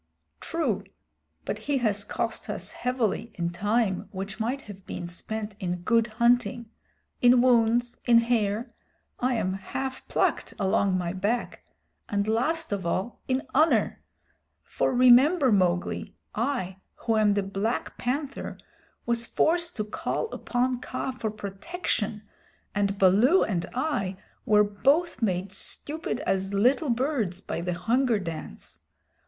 "True, but he has cost us heavily in time which might have been spent in good hunting, in wounds, in hair I am half plucked along my back and last of all, in honor. For, remember, Mowgli, I, who am the Black Panther, was forced to call upon Kaa for protection, and Baloo and I were both made stupid as little birds by the Hunger Dance.